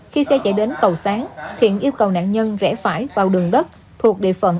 khi xe chạy đến cầu sáng thiện yêu cầu nạn nhân rẽ phải vào đường đất thuộc địa phận